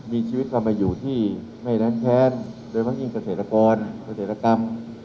มีชีวิตก็มาอยู่ที่ไม่แร้งแค้นโดยเพราะยิ่งเกษตรกรเกษตรกรรม